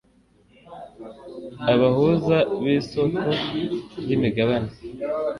Abahuza bisoko ryimigabane